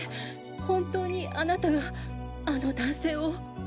本当にあなたがあの男性を。